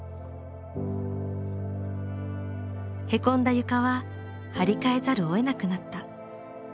へこんだ床は張り替えざるをえなくなった。